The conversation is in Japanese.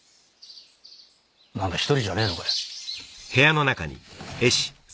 なんだ１人じゃねぇのかよ